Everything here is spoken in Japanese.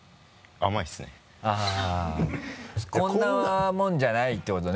あっこんなものじゃないってことね？